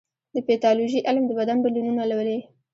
د پیتالوژي علم د بدن بدلونونه لولي.